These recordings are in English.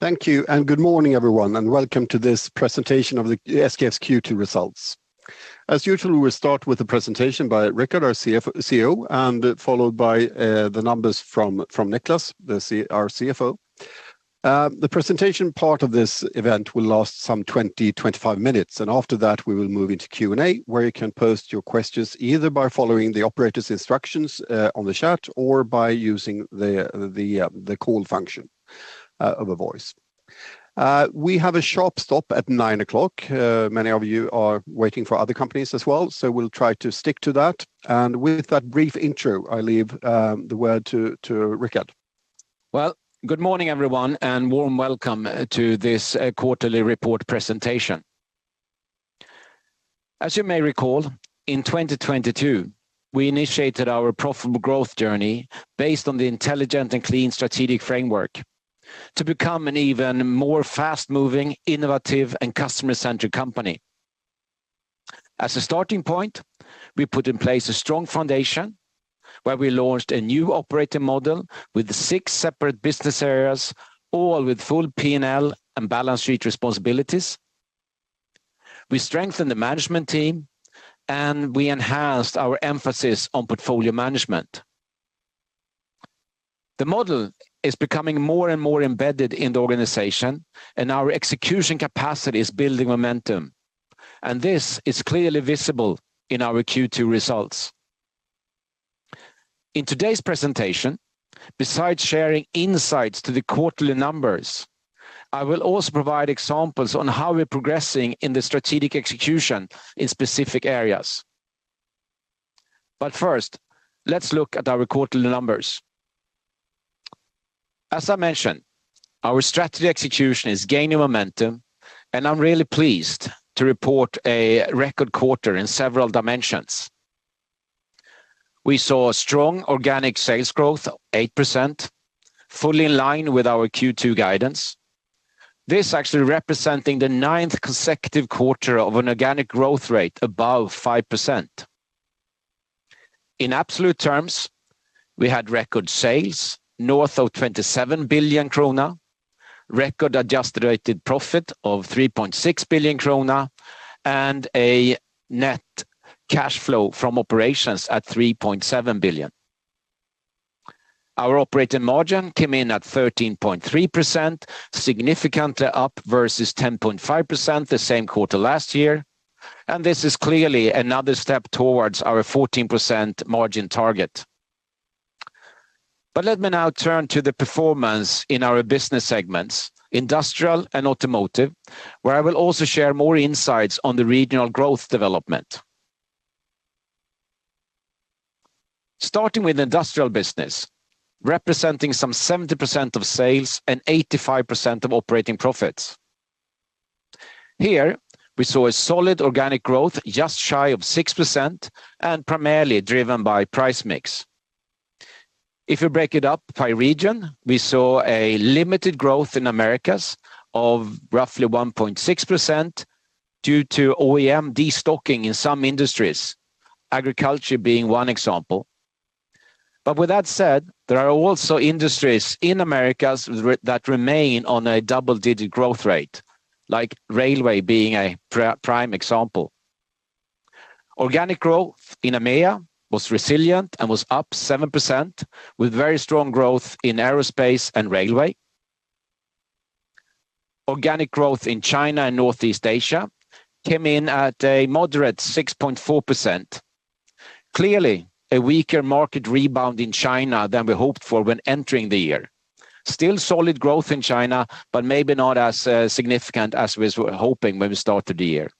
Thank you, good morning, everyone, and welcome to this presentation of the SKF's Q2 results. As usual, we'll start with a presentation by Rickard, our CEO, followed by the numbers from Niclas, our CFO. The presentation part of this event will last some 20-25 minutes, after that, we will move into Q&A, where you can post your questions, either by following the operator's instructions on the chat or by using the call function of a voice. We have a sharp stop at 9:00 A.M. Many of you are waiting for other companies as well, we'll try to stick to that. With that brief intro, I leave the word to Rickard. Well, good morning, everyone, and warm welcome to this quarterly report presentation. As you may recall, in 2022, we initiated our profitable growth journey based on the Intelligent and Clean strategic framework to become an even more fast-moving, innovative, and customer-centric company. As a starting point, we put in place a strong foundation, where we launched a new operating model with six separate business areas, all with full P&L and balance sheet responsibilities. We strengthened the management team, we enhanced our emphasis on portfolio management. The model is becoming more and more embedded in the organization, our execution capacity is building momentum, this is clearly visible in our Q2 results. In today's presentation, besides sharing insights to the quarterly numbers, I will also provide examples on how we're progressing in the strategic execution in specific areas. First, let's look at our quarterly numbers. As I mentioned, our strategy execution is gaining momentum, and I'm really pleased to report a record quarter in several dimensions. We saw a strong organic sales growth, 8%, fully in line with our Q2 guidance. This actually representing the ninth consecutive quarter of an organic growth rate above 5%. In absolute terms, we had record sales, north of 27,000,000,000 krona, record adjusted profit of 3,600,000,000 krona, and a net cash flow from operations at 3,700,000,000. Our operating margin came in at 13.3%, significantly up versus 10.5% the same quarter last year, and this is clearly another step towards our 14% margin target. Let me now turn to the performance in our business segments, industrial and automotive, where I will also share more insights on the regional growth development. Starting with industrial business, representing some 70% of sales and 85% of operating profits. Here, we saw a solid organic growth, just shy of 6%, primarily driven by price mix. If you break it up by region, we saw a limited growth in Americas of roughly 1.6% due to OEM destocking in some industries, agriculture being one example. With that said, there are also industries in Americas that remain on a double-digit growth rate, like railway being a prime example. Organic growth in EMEA was resilient and was up 7%, with very strong growth in aerospace and railway. Organic growth in China and Northeast Asia came in at a moderate 6.4%. Clearly, a weaker market rebound in China than we hoped for when entering the year. Still solid growth in China, but maybe not as significant as we were hoping when we started the year.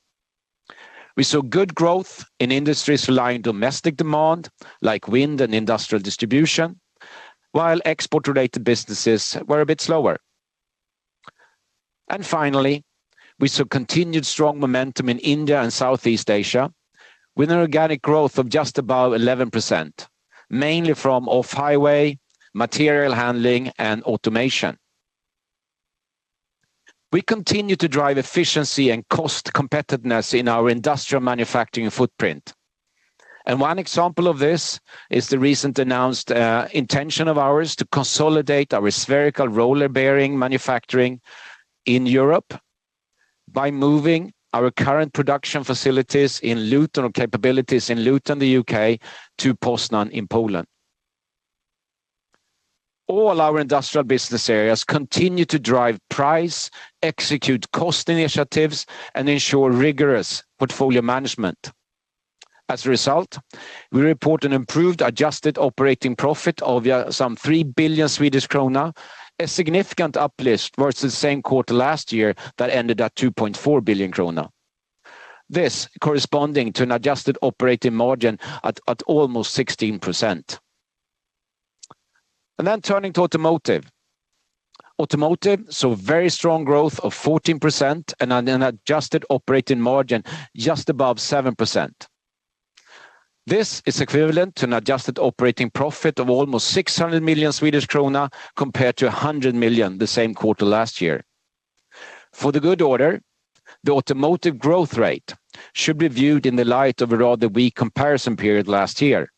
We saw good growth in industries relying on domestic demand, like wind and industrial distribution, while export-related businesses were a bit slower. Finally, we saw continued strong momentum in India and Southeast Asia, with an organic growth of just above 11%, mainly from off-highway, material handling, and automation. We continue to drive efficiency and cost competitiveness in our industrial manufacturing footprint, and one example of this is the recent announced intention of ours to consolidate our spherical roller bearing manufacturing in Europe by moving our current production facilities in Luton, or capabilities in Luton, the U.K., to Poznań in Poland. All our industrial business areas continue to drive price, execute cost initiatives, and ensure rigorous portfolio management. As a result, we report an improved, adjusted operating profit of some 3,000,000,000 Swedish krona, a significant uplift versus the same quarter last year that ended at 2,400,000,000 krona. This corresponding to an adjusted operating margin at almost 16%. Turning to automotive. Automotive saw very strong growth of 14% and an adjusted operating margin just above 7%. This is equivalent to an adjusted operating profit of almost 600,000,000 Swedish krona, compared to 100,000,000 the same quarter last year. For the good order, the automotive growth rate should be viewed in the light of a rather weak comparison period last year.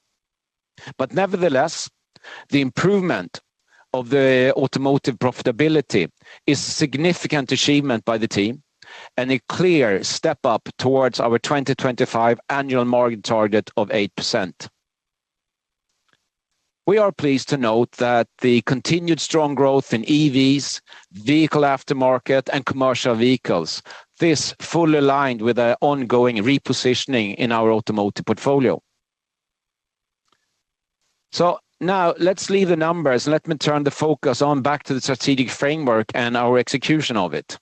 Nevertheless, the improvement of the automotive profitability is a significant achievement by the team and a clear step up towards our 2025 annual margin target of 8%. We are pleased to note that the continued strong growth in EVs, vehicle aftermarket, and commercial vehicles, this fully aligned with our ongoing repositioning in our automotive portfolio. Now let's leave the numbers. Let me turn the focus on back to the strategic framework and our execution of it.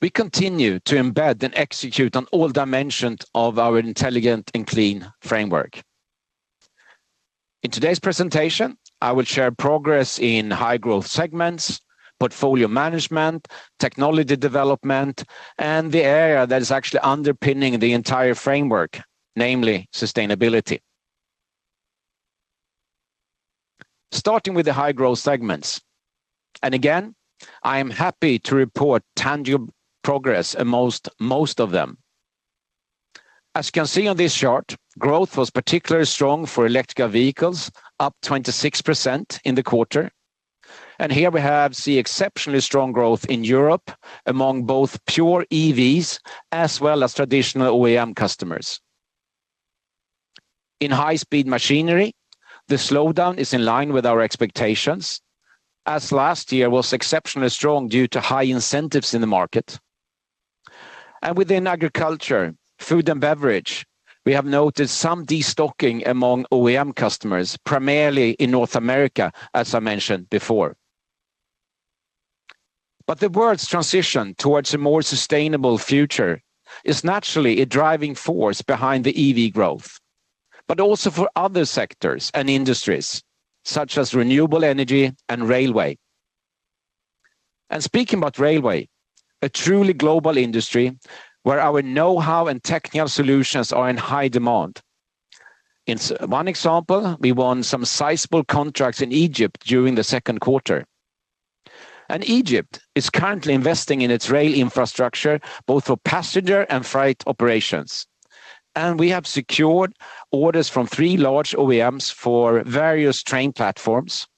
We continue to embed and execute on all dimensions of our Intelligent and Clean framework. In today's presentation, I will share progress in high growth segments, portfolio management, technology development, and the area that is actually underpinning the entire framework, namely sustainability. Starting with the high growth segments, again, I am happy to report tangible progress amongst most of them. As you can see on this chart, growth was particularly strong for electric vehicles, up 26% in the quarter. Here we have the exceptionally strong growth in Europe among both pure EVs as well as traditional OEM customers. In high-speed machinery, the slowdown is in line with our expectations, as last year was exceptionally strong due to high incentives in the market. Within agriculture, food, and beverage, we have noted some destocking among OEM customers, primarily in North America, as I mentioned before. The world's transition towards a more sustainable future is naturally a driving force behind the EV growth, but also for other sectors and industries, such as renewable energy and railway. Speaking about railway, a truly global industry where our know-how and technical solutions are in high demand. In one example, we won some sizable contracts in Egypt during the second quarter. Egypt is currently investing in its rail infrastructure, both for passenger and freight operations. We have secured orders from three large OEMs for various train platforms,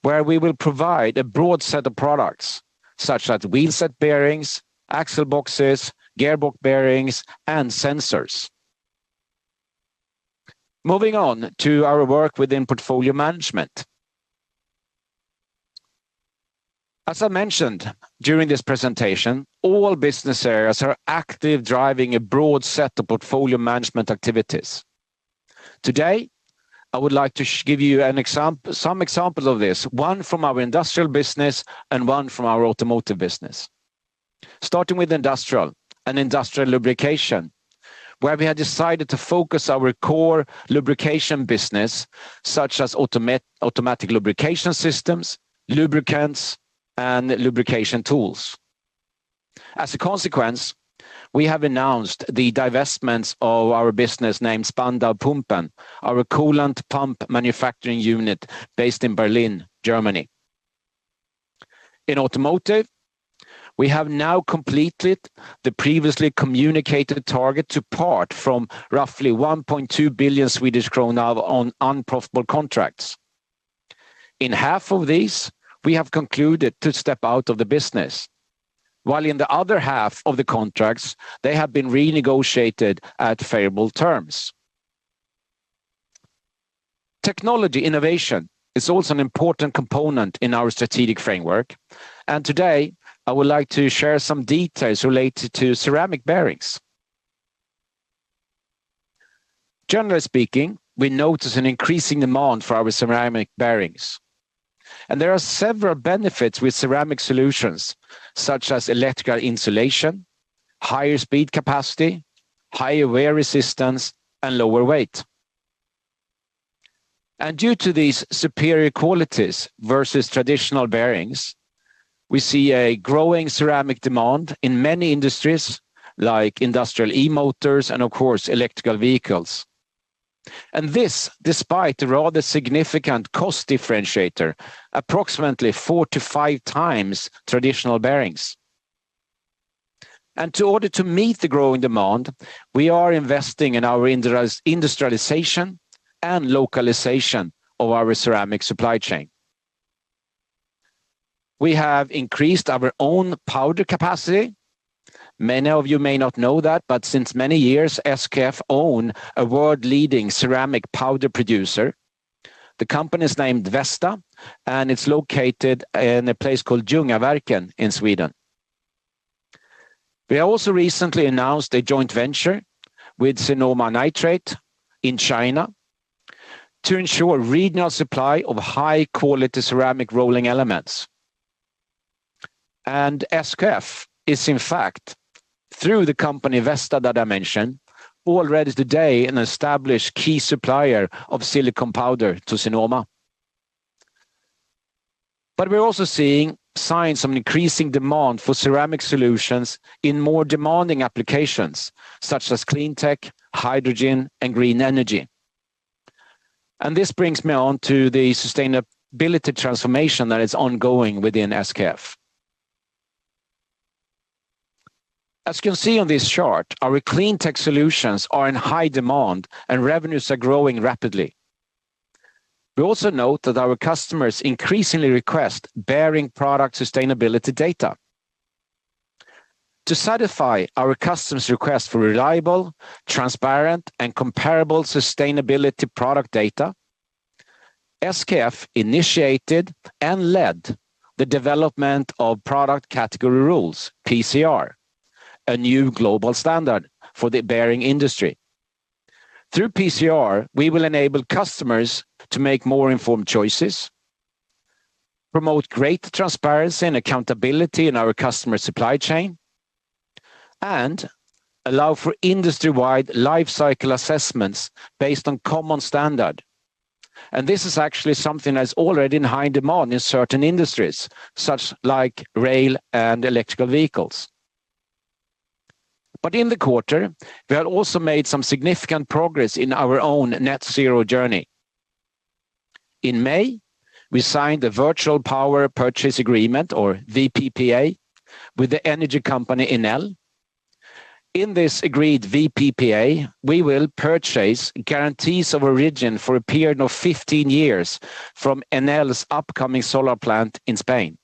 where we will provide a broad set of products such as wheelset bearings, axleboxes, gearbox bearings, and sensors. Moving on to our work within portfolio management. As I mentioned during this presentation, all business areas are active, driving a broad set of portfolio management activities. Today, I would like to give you some examples of this, one from our industrial business and one from our automotive business. Starting with industrial and industrial lubrication, where we have decided to focus our core lubrication business, such as automatic lubrication systems, lubricants, and lubrication tools. As a consequence, we have announced the divestments of our business named Spandau Pumpen, our coolant pump manufacturing unit based in Berlin, Germany. In automotive, we have now completed the previously communicated target to part from roughly 1,200,000,000 Swedish kronor on unprofitable contracts. In half of these, we have concluded to step out of the business, while in the other half of the contracts, they have been renegotiated at favorable terms. Technology innovation is also an important component in our strategic framework. Today, I would like to share some details related to ceramic bearings. Generally speaking, we notice an increasing demand for our ceramic bearings. There are several benefits with ceramic solutions, such as electrical insulation, higher speed capacity, higher wear resistance, and lower weight. Due to these superior qualities versus traditional bearings, we see a growing ceramic demand in many industries like industrial E-motors and, of course, electrical vehicles. This, despite the rather significant cost differentiator, approximately 4 to 5 times traditional bearings. In order to meet the growing demand, we are investing in our industrialization and localization of our ceramic supply chain. We have increased our own powder capacity. Many of you may not know that, but since many years, SKF own a world-leading ceramic powder producer. The company is named Vesta, and it's located in a place called Ljungaverk in Sweden. We also recently announced a joint venture with Sinoma Nitride in China to ensure regional supply of high-quality ceramic rolling elements. SKF is, in fact, through the company, Vesta, that I mentioned, already today an established key supplier of silicon powder to Sinoma. We're also seeing signs of increasing demand for ceramic solutions in more demanding applications such as clean tech, hydrogen, and green energy. This brings me on to the sustainability transformation that is ongoing within SKF. As you can see on this chart, our clean tech solutions are in high demand, and revenues are growing rapidly. We also note that our customers increasingly request bearing product sustainability data. To satisfy our customers' request for reliable, transparent, and comparable sustainability product data, SKF initiated and led the development of Product Category Rules, PCR, a new global standard for the bearing industry. Through PCR, we will enable customers to make more informed choices, promote great transparency and accountability in our customer supply chain, and allow for industry-wide life cycle assessments based on common standard. This is actually something that's already in high demand in certain industries, such like rail and electrical vehicles. In the quarter, we have also made some significant progress in our own net zero journey. In May, we signed a Virtual Power Purchase Agreement, or VPPA, with the energy company, Enel. In this agreed VPPA, we will purchase guarantees of origin for a period of 15 years from Enel's upcoming solar plant in Spain.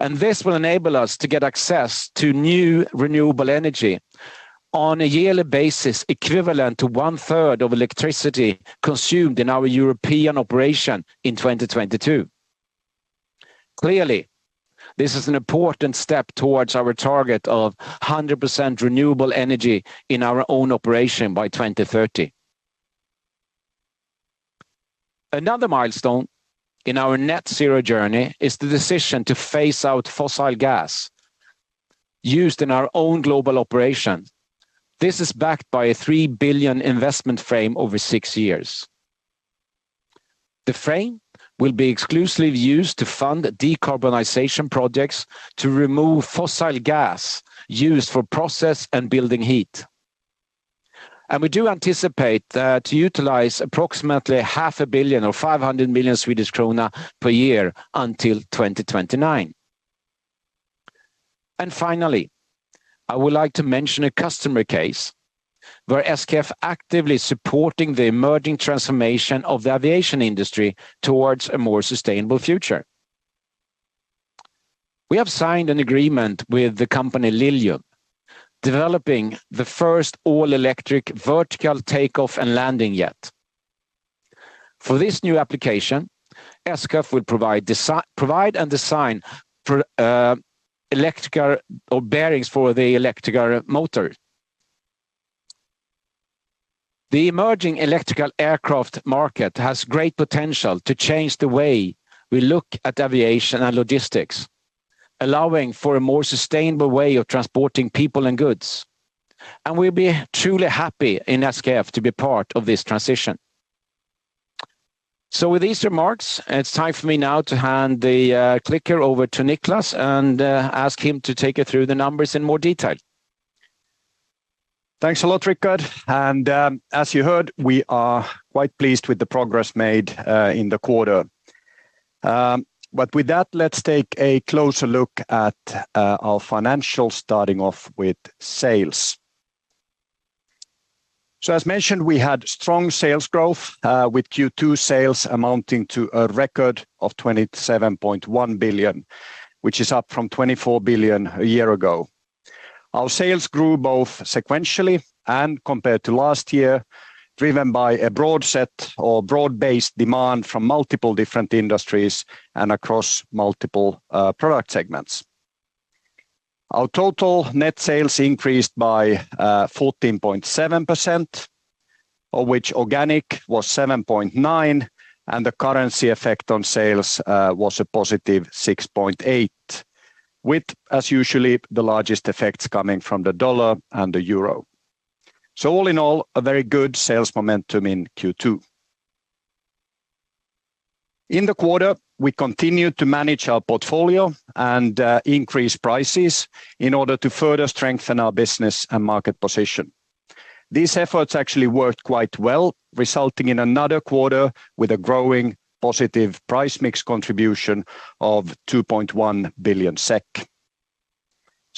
This will enable us to get access to new renewable energy on a yearly basis, equivalent to one-third of electricity consumed in our European operation in 2022. Clearly, this is an important step towards our target of 100% renewable energy in our own operation by 2030. Another milestone in our net zero journey is the decision to phase out fossil gas used in our own global operation. This is backed by a 3,000,000,000 investment frame over six years. The frame will be exclusively used to fund decarbonization projects to remove fossil gas used for process and building heat. We do anticipate that to utilize approximately half a billion or 500,000,000 Swedish krona per year until 2029. Finally, I would like to mention a customer case where SKF actively supporting the emerging transformation of the aviation industry towards a more sustainable future. We have signed an agreement with the company, Lilium, developing the first all-electric vertical take-off and landing jet. For this new application, SKF will provide and design for, electrical or bearings for the electrical motor. The emerging electrical aircraft market has great potential to change the way we look at aviation and logistics, allowing for a more sustainable way of transporting people and goods. We'll be truly happy in SKF to be part of this transition. With these remarks, it's time for me now to hand the clicker over to Niclas and ask him to take you through the numbers in more detail. Thanks a lot, Rickard. As you heard, we are quite pleased with the progress made in the quarter. With that, let's take a closer look at our financials, starting off with sales. As mentioned, we had strong sales growth, with Q2 sales amounting to a record of 27,100,000,000, which is up from 24,000,000,000 a year ago. Our sales grew both sequentially and compared to last year, driven by a broad-based demand from multiple different industries and across multiple product segments. Our total net sales increased by 14.7%, of which organic was 7.9%, the currency effect on sales was a positive 6.8%, with as usually the largest effects coming from the dollar and the euro. All in all, a very good sales momentum in Q2. In the quarter, we continued to manage our portfolio and increase prices in order to further strengthen our business and market position. These efforts actually worked quite well, resulting in another quarter with a growing positive price mix contribution of 2,100,000,000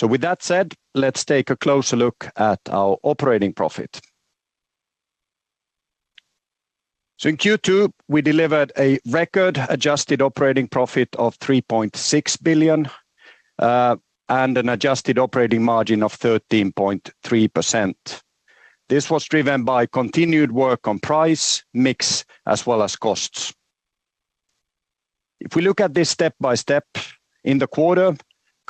SEK. With that said, let's take a closer look at our operating profit. In Q2, we delivered a record adjusted operating profit of SEK 3.,600,000,000, and an adjusted operating margin of 13.3%. This was driven by continued work on price, mix, as well as costs. If we look at this step by step, in the quarter,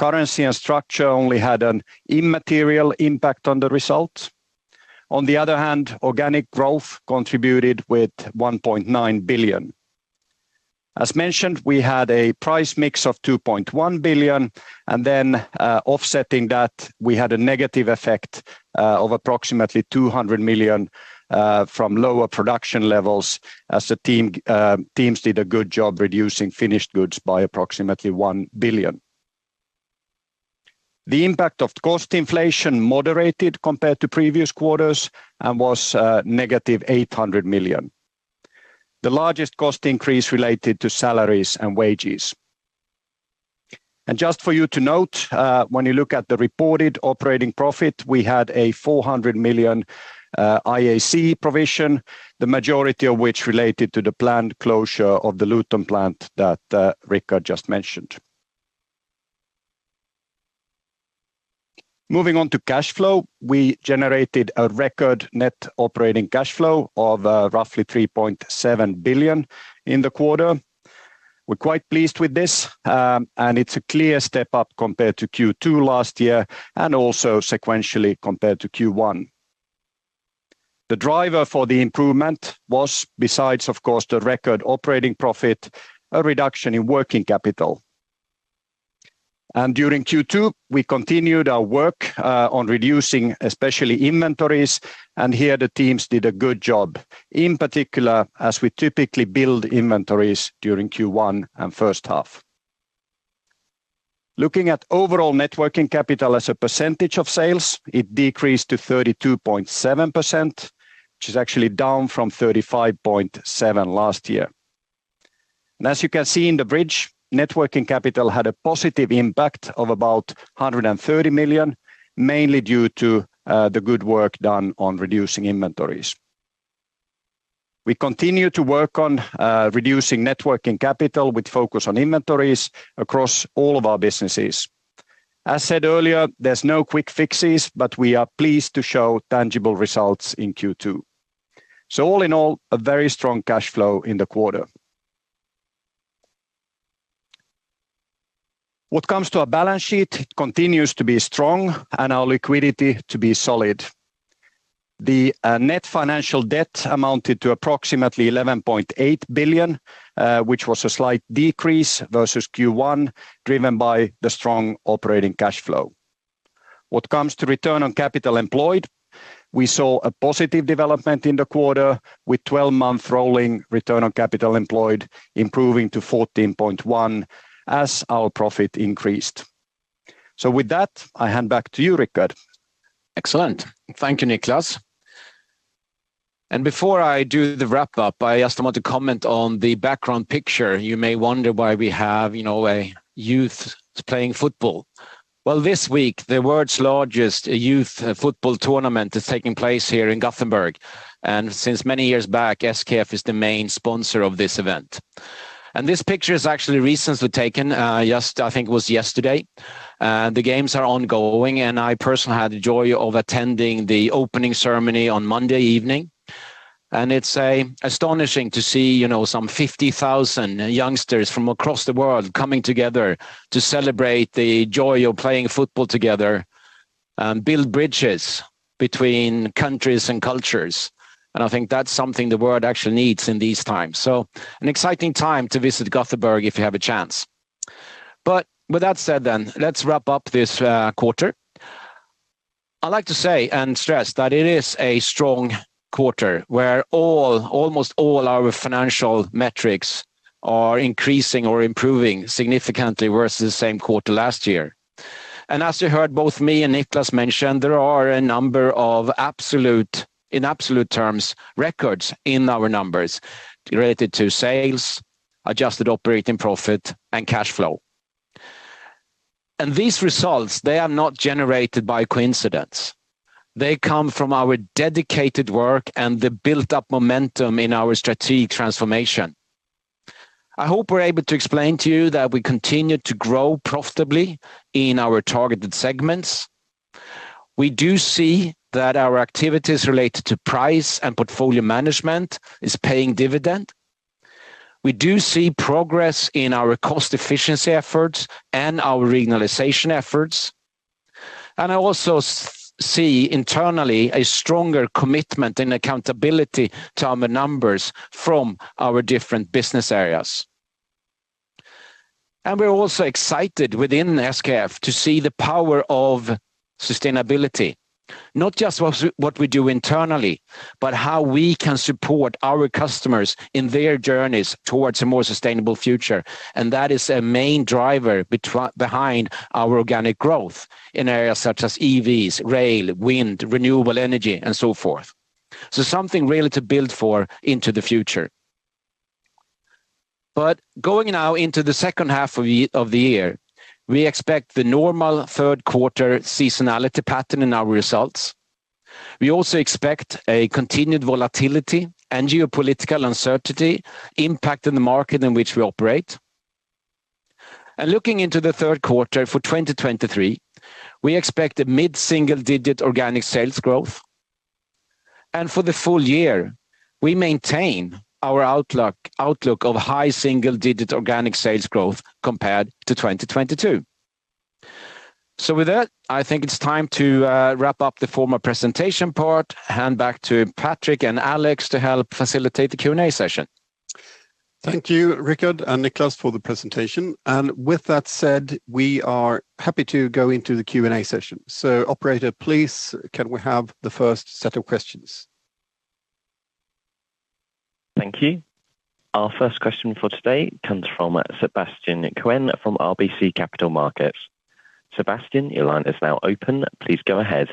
currency and structure only had an immaterial impact on the result. On the other hand, organic growth contributed with 1,900,000,000. As mentioned, we had a price mix of 2,100,000,000, offsetting that, we had a negative effect of approximately 200,000,000 from lower production levels as the teams did a good job reducing finished goods by approximately 1,000,000,000. The impact of cost inflation moderated compared to previous quarters and was negative 800,000,000. The largest cost increase related to salaries and wages. Just for you to note, when you look at the reported operating profit, we had a 400,000,000 IAC provision, the majority of which related to the planned closure of the Luton plant that Rickard just mentioned. Moving on to cash flow, we generated a record net operating cash flow of roughly 3,700,000,000 in the quarter. We're quite pleased with this, it's a clear step up compared to Q2 last year, and also sequentially compared to Q1. The driver for the improvement was, besides, of course, the record operating profit, a reduction in working capital. During Q2, we continued our work on reducing, especially inventories, and here the teams did a good job. In particular, as we typically build inventories during Q1 and first half. Looking at overall net working capital as a percentage of sales, it decreased to 32.7%, which is actually down from 35.7% last year. As you can see in the bridge, net working capital had a positive impact of about 130,000,000, mainly due to the good work done on reducing inventories. We continue to work on reducing net working capital, with focus on inventories across all of our businesses. As said earlier, there's no quick fixes. We are pleased to show tangible results in Q2. All in all, a very strong cash flow in the quarter. What comes to our balance sheet continues to be strong and our liquidity to be solid. The net financial debt amounted to approximately 11,800,000,000, which was a slight decrease versus Q1, driven by the strong operating cash flow. What comes to Return on Capital Employed, we saw a positive development in the quarter, with 12-month rolling Return on Capital Employed, improving to 14.1% as our profit increased. With that, I hand back to you, Rickard. Excellent. Thank you, Niclas. Before I do the wrap up, I just want to comment on the background picture. You may wonder why we have, you know, a youth playing football. This week, the world's largest youth football tournament is taking place here in Gothenburg, and since many years back, SKF is the main sponsor of this event. This picture is actually recently taken, just I think it was yesterday. The games are ongoing, and I personally had the joy of attending the opening ceremony on Monday evening. It's astonishing to see, you know, some 50,000 youngsters from across the world coming together to celebrate the joy of playing football together and build bridges between countries and cultures. I think that's something the world actually needs in these times. An exciting time to visit Gothenburg if you have a chance. With that said, let's wrap up this quarter. I'd like to say and stress that it is a strong quarter, where almost all our financial metrics are increasing or improving significantly versus the same quarter last year. As you heard, both me and Niclas mention, there are a number of in absolute terms, records in our numbers related to sales, adjusted operating profit, and cash flow. These results, they are not generated by coincidence. They come from our dedicated work and the built-up momentum in our strategic transformation. I hope we're able to explain to you that we continue to grow profitably in our targeted segments. We do see that our activities related to price and portfolio management is paying dividend. We do see progress in our cost efficiency efforts and our regionalization efforts. I also see internally a stronger commitment and accountability to our numbers from our different business areas. We're also excited within SKF to see the power of sustainability, not just what we do internally, but how we can support our customers in their journeys towards a more sustainable future. That is a main driver behind our organic growth in areas such as EVs, rail, wind, renewable energy, and so forth. Something really to build for into the future. Going now into the second half of the year, we expect the normal third quarter seasonality pattern in our results. We also expect a continued volatility and geopolitical uncertainty impact in the market in which we operate. Looking into the 3rd quarter for 2023, we expect a mid-single-digit organic sales growth. For the full year, we maintain our outlook of high single-digit organic sales growth compared to 2022. With that, I think it's time to wrap up the formal presentation part, hand back to Patrik and Alex to help facilitate the Q&A session. Thank you, Rickard and Niclas, for the presentation. With that said, we are happy to go into the Q&A session. Operator, please, can we have the first set of questions? Thank you. Our first question for today comes from Sebastian Kuenne from RBC Capital Markets. Sebastian, your line is now open, please go ahead.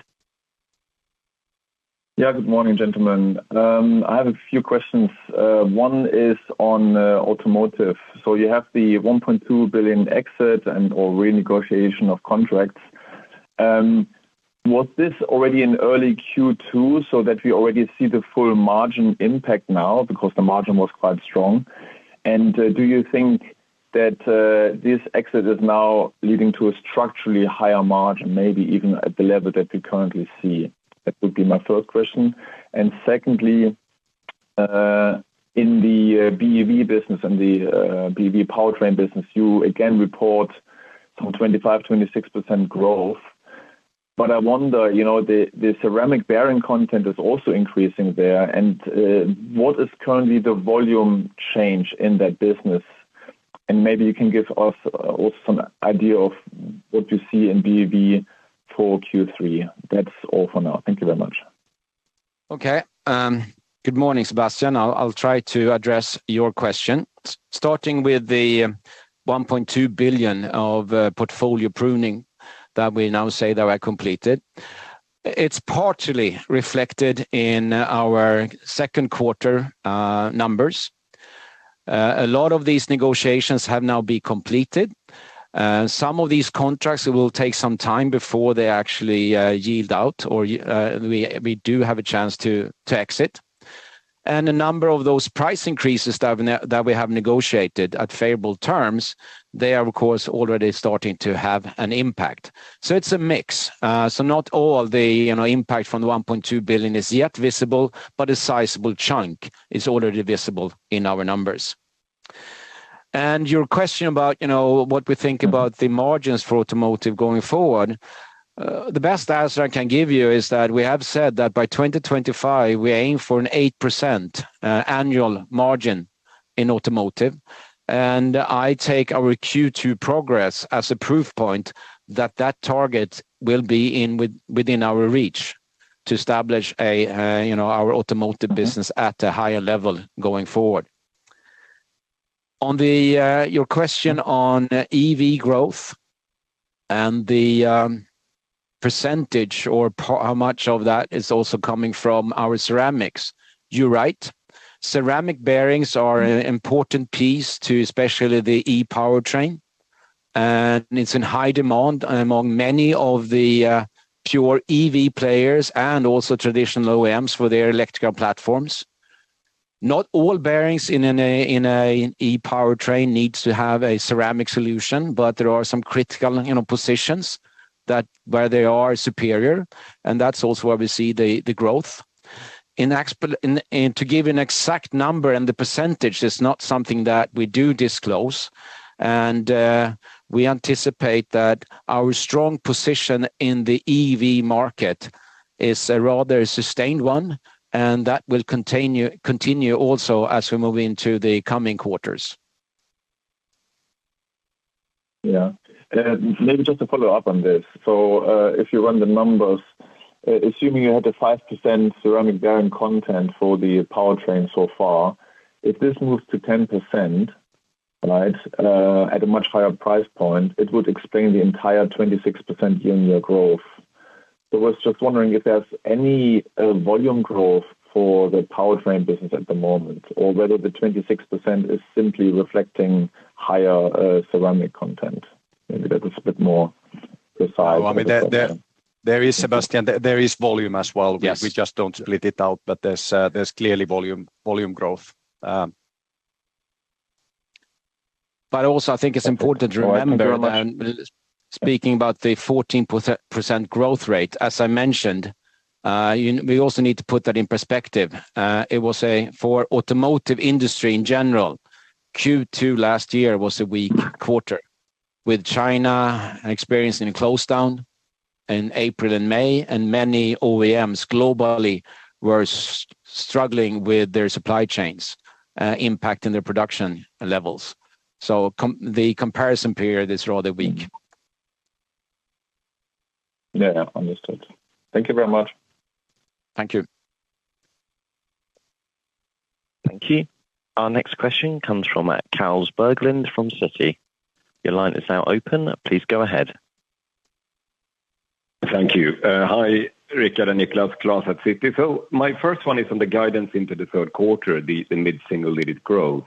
Yeah, good morning, gentlemen. I have a few questions. One is on automotive. You have the 1,200,000,000 exit and or renegotiation of contracts. Was this already in early Q2 so that we already see the full margin impact now? Because the margin was quite strong. Do you think that this exit is now leading to a structurally higher margin, maybe even at the level that we currently see? That would be my first question. Secondly, in the BEV business and the BEV powertrain business, you again report some 25%-26% growth. I wonder, you know, the ceramic bearing content is also increasing there, and what is currently the volume change in that business? Maybe you can give us also an idea of what you see in BEV for Q3. That's all for now. Thank you very much. Okay. Good morning, Sebastian. I'll try to address your question. Starting with the 1,200,000,000 of portfolio pruning that we now say that are completed. It's partially reflected in our second quarter numbers. A lot of these negotiations have now been completed. Some of these contracts will take some time before they actually yield out or we do have a chance to exit. A number of those price increases that we have negotiated at favorable terms, they are, of course, already starting to have an impact. It's a mix. Not all the, you know, impact from the 1,200,000,000 is yet visible, but a sizable chunk is already visible in our numbers. Your question about, you know, what we think about the margins for automotive going forward, the best answer I can give you is that we have said that by 2025, we are aiming for an 8% annual margin in automotive. I take our Q2 progress as a proof point that that target will be within our reach to establish a, you know, our automotive business at a higher level going forward. On the, your question on EV growth and the percentage or how much of that is also coming from our ceramics? You're right. Ceramic bearings are an important piece to, especially the E-powertrain, and it's in high demand among many of the pure EV players and also traditional OEMs for their electrical platforms. Not all bearings in an E-powertrain needs to have a ceramic solution, but there are some critical, you know, positions that where they are superior, and that's also where we see the growth. To give you an exact number and the percentage is not something that we do disclose. We anticipate that our strong position in the EV market is a rather sustained one, and that will continue also as we move into the coming quarters. Yeah. Maybe just to follow up on this. If you run the numbers, assuming you had a 5% ceramic bearing content for the powertrain so far, if this moves to 10%, right, at a much higher price point, it would explain the entire 26% year-on-year growth. I was just wondering if there's any volume growth for the powertrain business at the moment, or whether the 26% is simply reflecting higher ceramic content. Maybe that is a bit more precise. I mean, there is, Sebastian, there is volume as well. Yes. We just don't split it out, but there's clearly volume growth. Also I think it's important to remember, speaking about the 14% growth rate, as I mentioned, we also need to put that in perspective. It was for automotive industry in general, Q2 last year was a weak quarter, with China experiencing a close down in April and May, and many OEMs globally were struggling with their supply chains, impacting their production levels. The comparison period is rather weak. Yeah, understood. Thank you very much. Thank you. Thank you. Our next question comes from Klas Bergelind, from Citi. Your line is now open. Please go ahead. Thank you. Hi, Rick and Niclas, Klas at Citi. My first one is on the guidance into the third quarter, the mid-single-digit growth.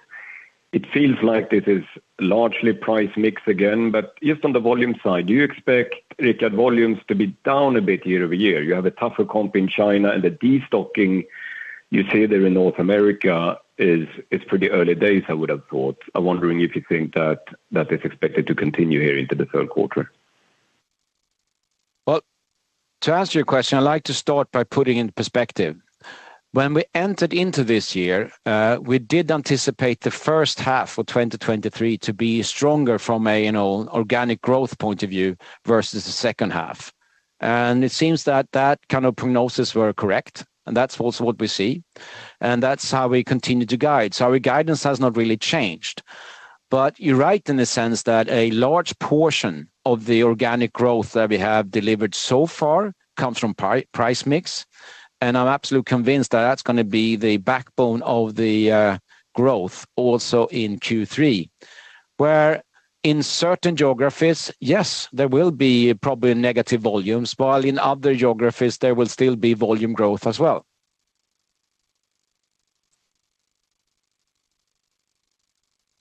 It feels like this is largely price mix again, but just on the volume side, do you expect, Rick, volumes to be down a bit year-over-year? You have a tougher comp in China, and the destocking you see there in North America is, it's pretty early days, I would have thought. I'm wondering if you think that is expected to continue here into the third quarter. Well, to answer your question, I'd like to start by putting into perspective. When we entered into this year, we did anticipate the first half of 2023 to be stronger from a, you know, organic growth point of view versus the second half. It seems that that kind of prognosis were correct, and that's also what we see, and that's how we continue to guide. Our guidance has not really changed. You're right in the sense that a large portion of the organic growth that we have delivered so far comes from price mix, and I'm absolutely convinced that that's gonna be the backbone of the growth also in Q3, where in certain geographies, yes, there will be probably negative volumes, while in other geographies there will still be volume growth as well.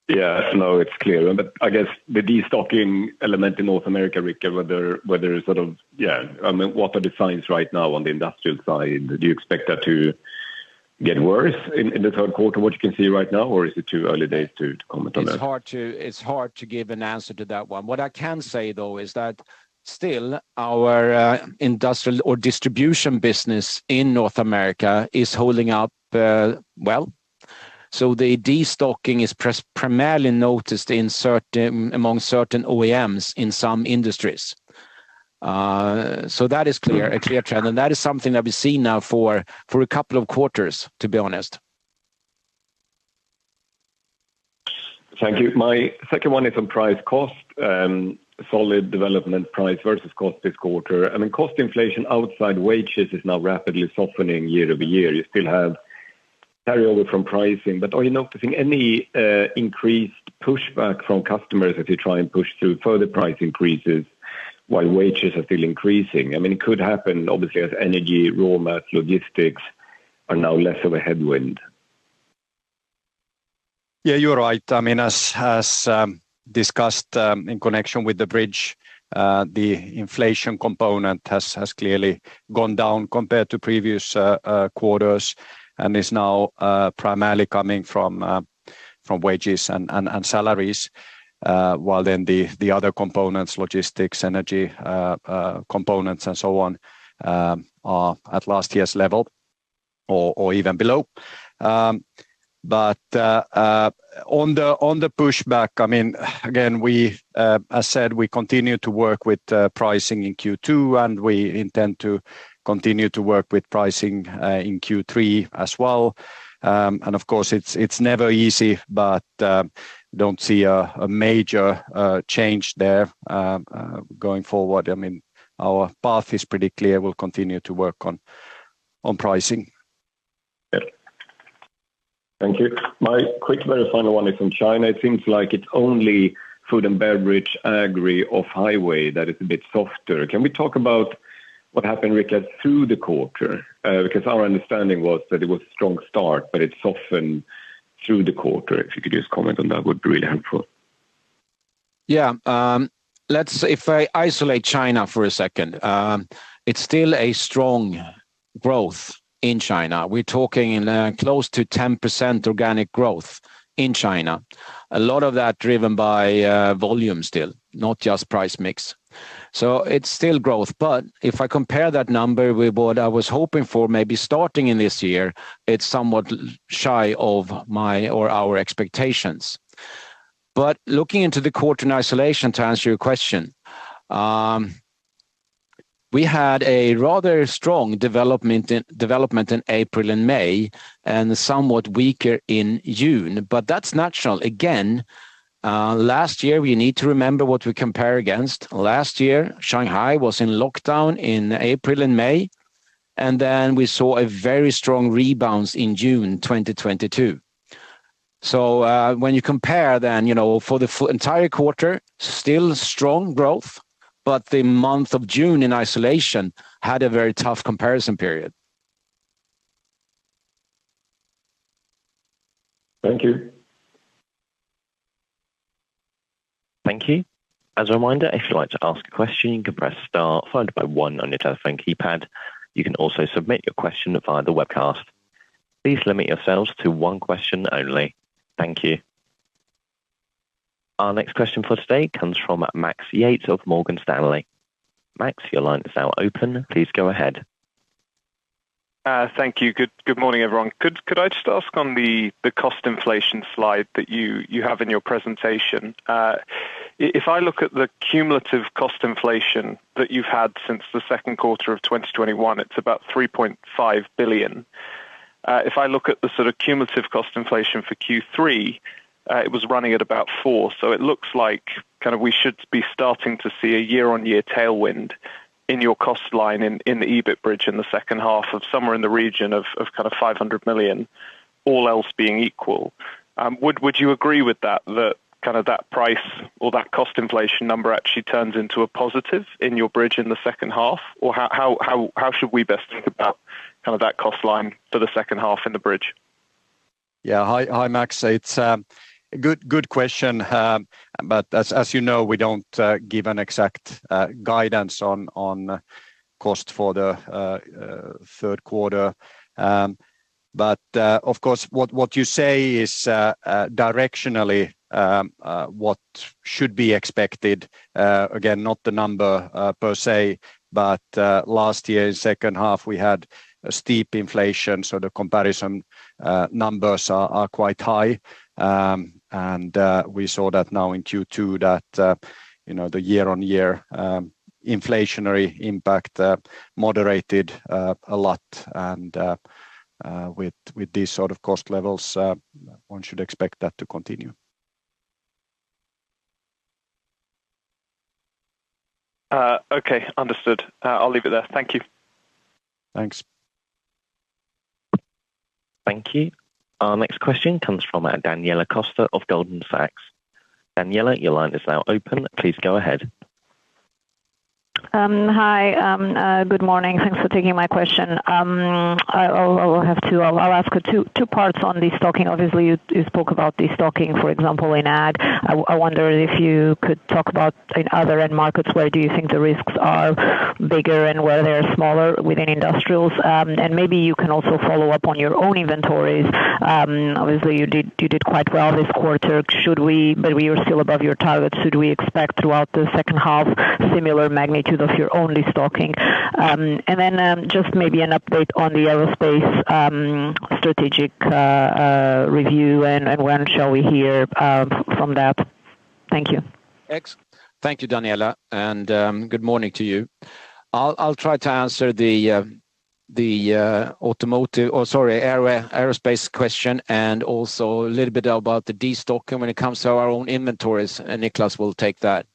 Yeah, no, it's clear. I guess the destocking element in North America, Rikke, Yeah, I mean, what are the signs right now on the industrial side? Do you expect that to get worse in the third quarter, what you can see right now? Or is it too early days to comment on that? It's hard to give an answer to that one. What I can say, though, is that still our industrial or distribution business in North America is holding up well. The destocking is primarily noticed in certain, among certain OEMs in some industries. That is clear, a clear trend, and that is something that we've seen now for a couple of quarters, to be honest. Thank you. My second one is on price cost, solid development, price versus cost this quarter. I mean, cost inflation outside wages is now rapidly softening year-over-year. You still have carryover from pricing, but are you noticing any increased pushback from customers as you try and push through further price increases while wages are still increasing? I mean, it could happen obviously, as energy, raw materials, logistics are now less of a headwind. Yeah, you're right. I mean, as discussed, in connection with the bridge, the inflation component has clearly gone down compared to previous quarters and is now primarily coming from wages and salaries, while the other components, logistics, energy, components, and so on, are at last year's level or even below. On the pushback, I mean, again, we, as said, we continue to work with pricing in Q2, and we intend to continue to work with pricing in Q3 as well. Of course, it's never easy, but don't see a major change there going forward. I mean, our path is pretty clear. We'll continue to work on pricing. Yeah. Thank you. My quick, very final one is from China. It seems like it's only food and beverage agriculture off-highway that is a bit softer. Can we talk about what happened, Rikke, through the quarter? Because our understanding was that it was a strong start, but it softened through the quarter. If you could just comment on that, would be really helpful. If I isolate China for a second, it's still a strong growth in China. We're talking, close to 10% organic growth in China. A lot of that driven by, volume still, not just price mix. It's still growth, but if I compare that number with what I was hoping for, maybe starting in this year, it's somewhat shy of my or our expectations. Looking into the quarter in isolation to answer your question, we had a rather strong development in April and May, and somewhat weaker in June, but that's natural. Again, last year, we need to remember what we compare against. Last year, Shanghai was in lockdown in April and May, we saw a very strong rebound in June 2022. When you compare then, you know, for the entire quarter, still strong growth, but the month of June in isolation had a very tough comparison period. Thank you. Thank you. As a reminder, if you'd like to ask a question, you can press star followed by one on your telephone keypad. You can also submit your question via the webcast. Please limit yourselves to one question only. Thank you. Our next question for today comes from Max Yates of Morgan Stanley. Max, your line is now open. Please go ahead. Thank you. Good morning, everyone. Could I just ask on the cost inflation slide that you have in your presentation? If I look at the cumulative cost inflation that you've had since the second quarter of 2021, it's about 3,500,000,000. If I look at the sort of cumulative cost inflation for Q3, it was running at about 4,000,000,000. It looks like kind of we should be starting to see a year-on-year tailwind in your cost line in the EBIT bridge in the second half of somewhere in the region of kind of 500,000,000, all else being equal. Would you agree with that kind of that price or that cost inflation number actually turns into a positive in your bridge in the second half? How should we best think about kind of that cost line for the second half in the bridge? Yeah. Hi, Max. It's a good question, as you know, we don't give an exact guidance on cost for the 3rd quarter. Of course, what you say is directionally what should be expected, again, not the number per se, but last year in 2nd half, we had a steep inflation, so the comparison numbers are quite high. We saw that now in Q2, that, you know, the year-on-year inflationary impact moderated a lot. With these sort of cost levels, one should expect that to continue. Okay, understood. I'll leave it there. Thank you. Thanks. Thank you. Our next question comes from Daniela Costa of Goldman Sachs. Daniela, your line is now open. Please go ahead. Hi. Good morning. Thanks for taking my question. I'll have 2. I'll ask two parts on this talking. Obviously, you spoke about this talking, for example, in ag. I wonder if you could talk about in other end markets, where do you think the risks are bigger and where they're smaller within industrials? Maybe you can also follow up on your own inventories. Obviously, you did quite well this quarter. We are still above your target, should we expect throughout the second half, similar magnitude of your own list stocking? Just maybe an update on the aerospace strategic review and when shall we hear from that? Thank you. Thank you, Daniela, good morning to you. I'll try to answer the aerospace question, also a little bit about the destocking when it comes to our own inventories, and Niclas will take that.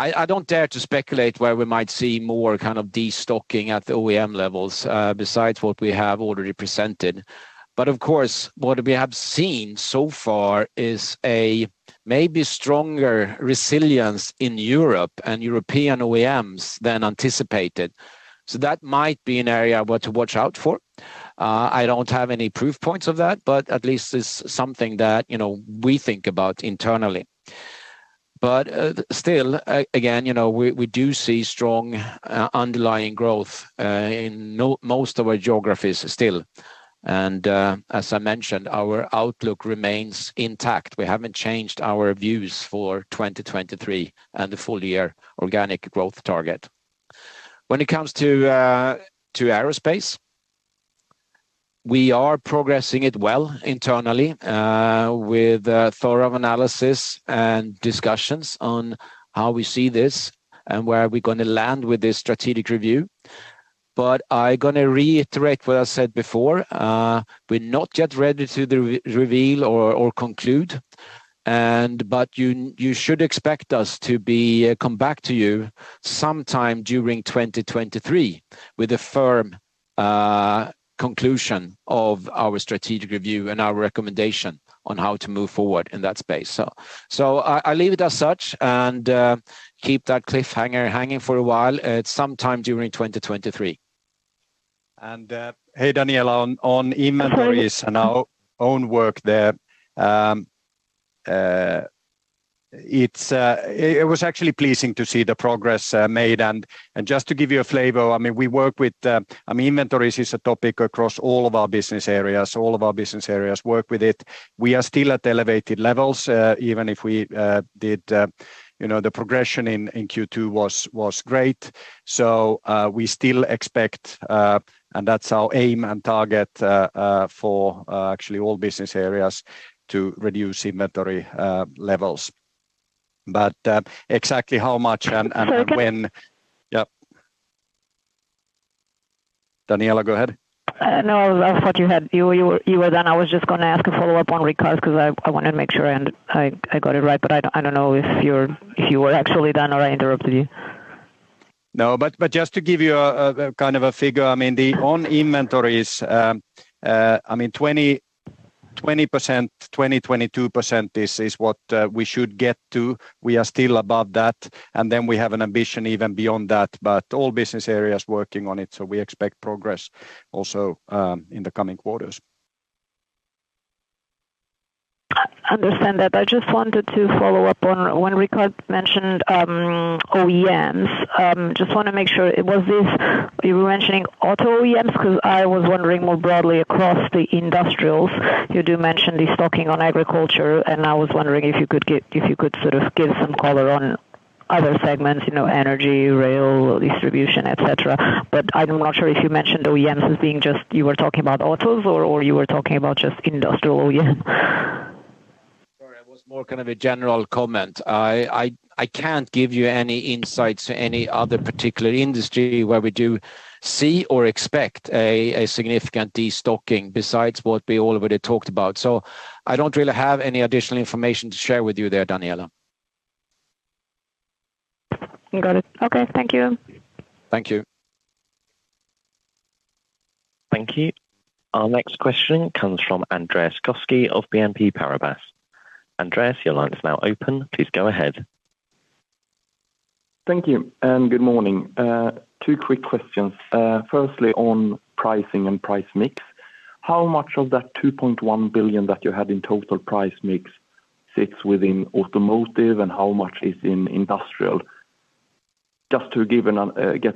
I don't dare to speculate where we might see more kind of destocking at the OEM levels, besides what we have already presented. Of course, what we have seen so far is a maybe stronger resilience in Europe and European OEMs than anticipated. That might be an area where to watch out for. I don't have any proof points of that, but at least it's something that, you know, we think about internally. Still, again, you know, we do see strong underlying growth in most of our geographies still. As I mentioned, our outlook remains intact. We haven't changed our views for 2023 and the full year organic growth target. When it comes to aerospace, we are progressing it well internally with thorough analysis and discussions on how we see this and where are we gonna land with this strategic review. I'm gonna reiterate what I said before, we're not yet ready to re-reveal or conclude, and but you should expect us to come back to you sometime during 2023 with a firm conclusion of our strategic review and our recommendation on how to move forward in that space. I leave it as such and keep that cliffhanger hanging for a while sometime during 2023. Hey, Daniela, on inventories and our own work there, it's actually pleasing to see the progress made. Just to give you a flavor, I mean, we work with, I mean, inventories is a topic across all of our business areas, all of our business areas work with it. We are still at elevated levels, even if we did, you know, the progression in Q2 was great. We still expect, and that's our aim and target, for actually all business areas to reduce inventory levels. Exactly how much and when- Okay. Yep. Daniela, go ahead. No, I thought you had... You were done. I was just gonna ask a follow-up on Rikard, 'cause I wanted to make sure, and I got it right, but I don't know if you're, if you were actually done or I interrupted you. No, just to give you a kind of a figure, I mean, the own inventories, 20%, 22% is what we should get to. We are still above that. Then we have an ambition even beyond that. All business areas working on it. We expect progress also in the coming quarters. I understand that. I just wanted to follow up on when Rickard mentioned OEMs. Just wanna make sure, was this, you were mentioning auto OEMs? 'Cause I was wondering more broadly across the industrials. You do mention the stocking on agriculture, and I was wondering if you could sort of give some color on other segments, you know, energy, rail, distribution, et cetera. I'm not sure if you mentioned OEMs as being just you were talking about autos, or you were talking about just industrial OEMs. Sorry, it was more kind of a general comment. I can't give you any insights to any other particular industry where we do see or expect a significant destocking besides what we already talked about. I don't really have any additional information to share with you there, Daniela. Got it. Okay, thank you. Thank you. Thank you. Our next question comes from Andreas Koski of BNP Paribas. Andreas, your line is now open, please go ahead. Thank you. Good morning. Two quick questions. Firstly, on pricing and price mix, how much of that 2,100,000,000 that you had in total price mix sits within automotive, and how much is in industrial? Just to get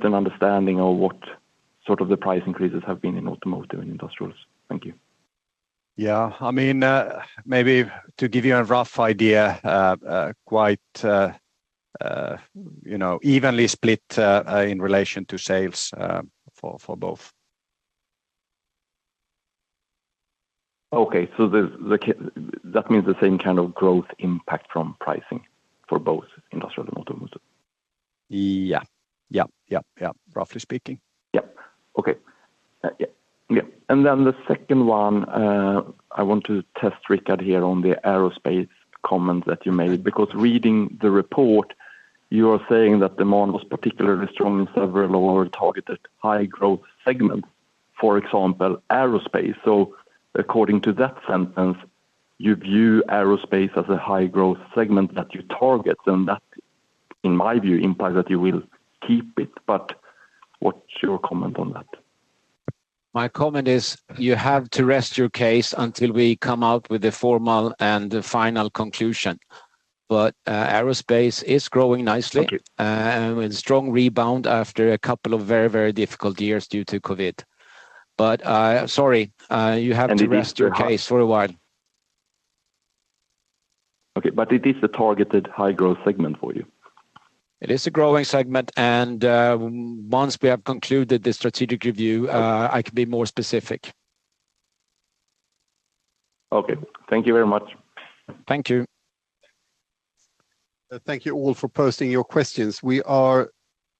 an understanding of what sort of the price increases have been in automotive and industrials. Thank you. Yeah. I mean, maybe to give you a rough idea, quite, you know, evenly split in relation to sales for both. Okay, That means the same kind of growth impact from pricing for both industrial and automotive? Yeah. Yep, yep. Roughly speaking. Yep. Okay. Yeah, yeah. The second one, I want to test Rickard here on the aerospace comment that you made, because reading the report, you are saying that demand was particularly strong in several of our targeted high-growth segments, for example, aerospace. According to that sentence, you view aerospace as a high-growth segment that you target, and that, in my view, implies that you will keep it. What's your comment on that? My comment is, you have to rest your case until we come out with a formal and final conclusion. Aerospace is growing nicely. Okay. With strong rebound after a couple of very, very difficult years due to COVID. Sorry, you have to rest your case for a while. Okay, it is a targeted high-growth segment for you? It is a growing segment, and, once we have concluded the strategic review, I can be more specific. Okay. Thank you very much. Thank you. Thank you all for posting your questions. We are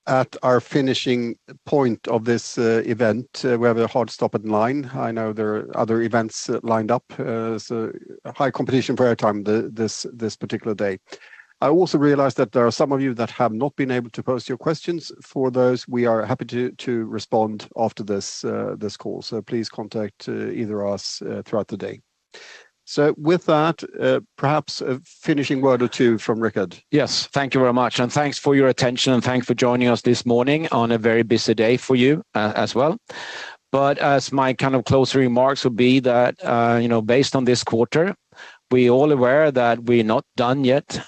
at our finishing point of this event. We have a hard stop at nine. I know there are other events lined up, so high competition for airtime this particular day. I also realize that there are some of you that have not been able to post your questions. For those, we are happy to respond after this call. Please contact either of us throughout the day. With that, perhaps a finishing word or two from Rickard. Yes, thank you very much, and thanks for your attention, and thanks for joining us this morning on a very busy day for you, as well. As my kind of close remarks would be that, you know, based on this quarter, we are all aware that we're not done yet.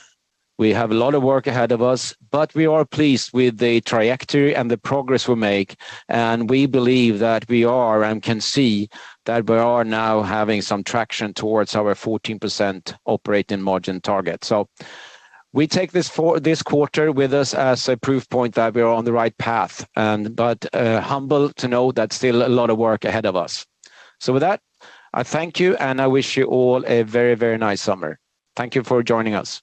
We have a lot of work ahead of us, but we are pleased with the trajectory and the progress we make, and we believe that we are, and can see, that we are now having some traction towards our 14% operating margin target. We take this quarter with us as a proof point that we are on the right path, and, but, humble to know that still a lot of work ahead of us. With that, I thank you, and I wish you all a very, very nice summer. Thank you for joining us.